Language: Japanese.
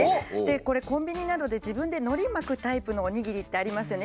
これコンビニなどで自分でのり巻くタイプのおにぎりってありますよね。